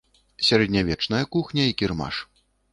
Сярэднявечная кухня і кірмаш.